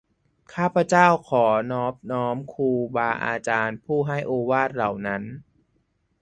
ข้าพเจ้าขอนอบน้อมครูบาอาจารย์ผู้ให้โอวาทเหล่านั้น